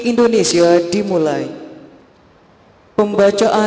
indonesia booky ruang upacara